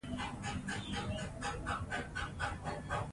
دوی هیڅ ډول خنډونه نه خوښوي.